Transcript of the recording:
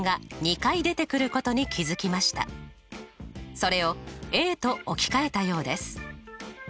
それをＡと置き換えたようです。